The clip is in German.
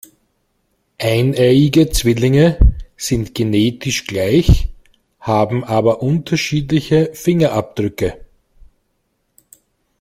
Eineiige Zwillinge sind genetisch gleich, haben aber unterschiedliche Fingerabdrücke.